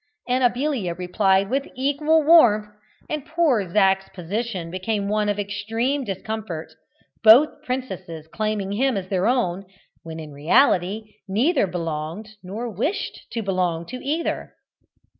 Amabilia replied with equal warmth, and poor Zac's position became one of extreme discomfort, both princesses claiming him as their own, when he in reality neither belonged nor wished to belong to either.